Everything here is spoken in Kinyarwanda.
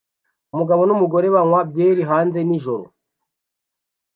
Umugabo n'umugore banywa byeri hanze nijoro